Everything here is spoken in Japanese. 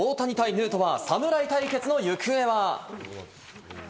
ヌートバー、侍対決の行方は？